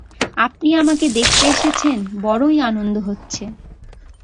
আপনি আমাকে দেখতে এসেছেন, বড়ই আনন্দ হচ্ছে।